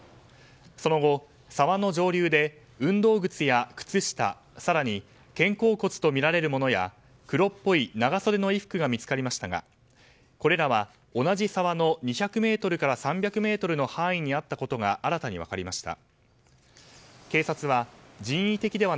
その後、沢の上流で運動靴や靴下更に肩甲骨とみられるものや黒っぽい長袖の衣服が見つかりましたがこれらは同じ沢の２００ｍから３００ｍの範囲にあったことが新たに分かりました。